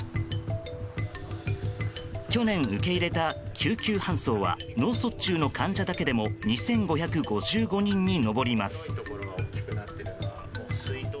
去年受け入れた救急搬送は脳卒中の患者だけでも２５５５人に上ります。